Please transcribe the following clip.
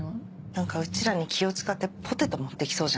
何かうちらに気を使ってポテト持ってきそうじゃない？